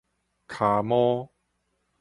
跤毛